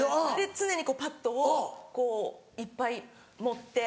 常にパッドをいっぱい盛って。